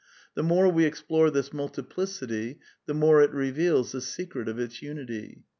The more we explore this multiplicity, the more it reveals the secret of its unity.